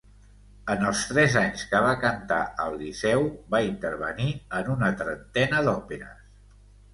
En els tres anys que va cantar al Liceu va intervenir en una trentena d'òperes.